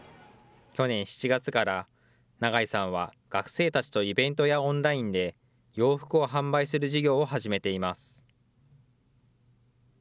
去年７月から、永井さんは学生たちとイベントやオンラインで、洋服を販売する事業を始めています。